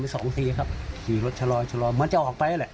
สองทีครับขี่รถชะลอยชะลอยเหมือนจะออกไปนั่นแหละ